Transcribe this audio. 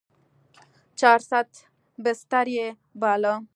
چارصد بستر يې باله.